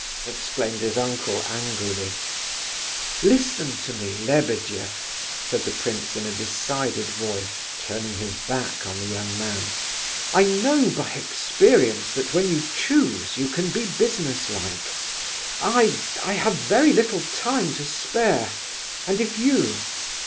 exclaimed his uncle angrily. "Listen to me, Lebedeff," said the prince in a decided voice, turning his back on the young man. "I know by experience that when you choose, you can be business like... I have very little time to spare, and if you...